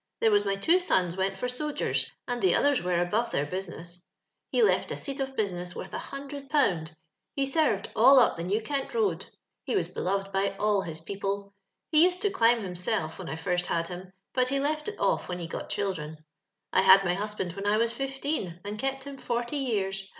There was my two sons went for sogers, and the others were above tlicir business. He left a seat of business worth a hundred pound ; he sened all up the New Kentroad. lie was beloved by all his people. He used to climb himself when I first had him, but he left it oft' when he got children. I hod my husband when I was fifteen, and kept him forty years.